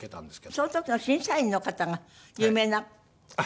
その時の審査員の方が有名な作曲家の方で。